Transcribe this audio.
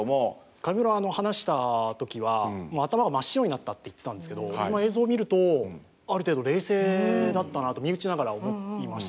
上村話した時はもう頭が真っ白になったって言ってたんですけど映像見るとある程度冷静だったなと身内ながら思いましたね。